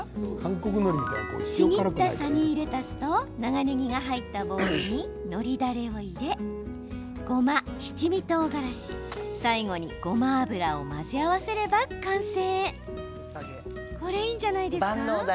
ちぎったサニーレタスと長ねぎが入ったボウルにのりだれを入れごま、七味とうがらし、最後にごま油を混ぜ合わせれば完成。